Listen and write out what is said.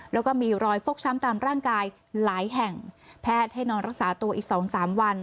แล้วก็มีรอยฟกช้ำตามร่างกายหลายแห่งแพทย์ให้นอนรักษาตัวอีกสองสามวัน